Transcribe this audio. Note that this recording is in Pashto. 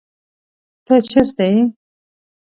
ته چرته یې؟